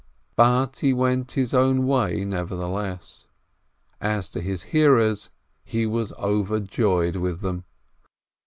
But he went his own way nevertheless. As to his hearers, he was overjoyed with them.